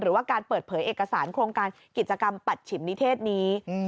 หรือว่าการเปิดเผยเอกสารโครงการกิจกรรมปัดฉิมนิเทศนี้